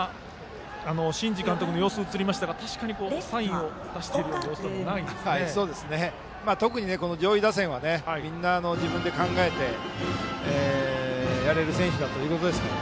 新治監督の様子が映りましたが確かにサインを出している様子は特に上位打線はみんな、自分で考えてやれる選手だということですから。